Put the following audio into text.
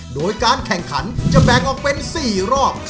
โดยการแข่งขันจะแบ่งออกเป็น๔รอบ